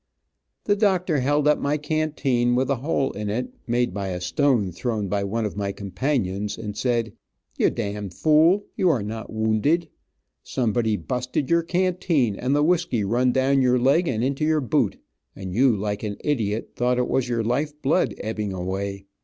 The doctor held up my canteen with a hole in it, made by a stone thrown by one of my companions, and said, "You d d fool, you are not wounded. Somebody busted your canteen, and the whiskey run down your leg and into your boot, and you, like an idiot, thought it was your life blood ebbing away.